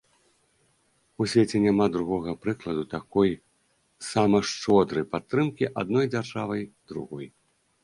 У свеце няма другога прыкладу такой сама шчодрай падтрымкі адной дзяржавай другой.